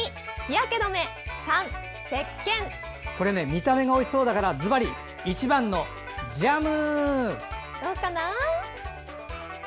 見た目がおいしそうだからずばり１番のジャム！